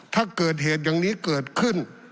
ถ้าเกิดเหตุอย่างนี้เกิดขึ้น